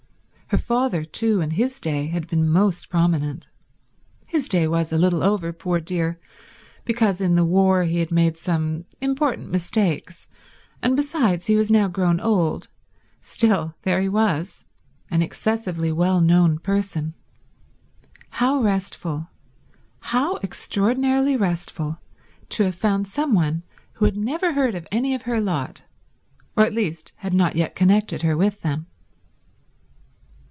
Her father, too, in his day had been most prominent. His day was a little over, poor dear, because in the war he had made some important mistakes, and besides he was now grown old; still, there he was, an excessively well known person. How restful, how extraordinarily restful to have found some one who had never heard of any of her lot, or at least had not yet connected her with them.